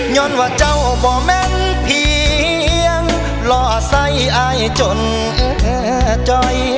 ย้อนว่าเจ้าบ่แม่นเพียงหล่อใส่อายจนเจ้อย